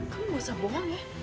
kamu gak usah bohong ya